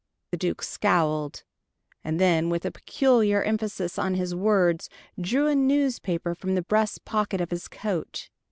The Duke scowled, and then with a peculiar emphasis on his words drew a newspaper from the breast pocket of his coat.